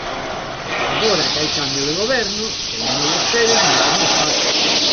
Agora que hai cambio de goberno, téñeno vostedes moito máis fácil.